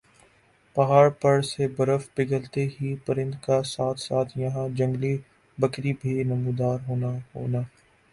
پہاڑ پر سے برف پگھلتے ہی پرند کا ساتھ ساتھ یَہاں جنگلی بکری بھی نمودار ہونا ہونا